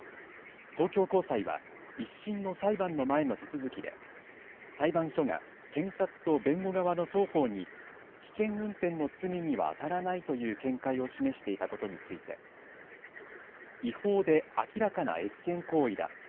東京高裁は１審の裁判の前の手続きで裁判所が検察と弁護側の双方に危険運転の罪にはあたらないという見解を示していたことについて違法で明らかな越権行為だ。